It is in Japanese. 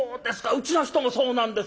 うちの人もそうなんです」。